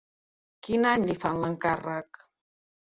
Quin any li fan l'encàrrec?